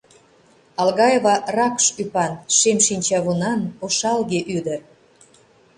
Алгаева ракш ӱпан, шем шинчавунан, ошалге ӱдыр.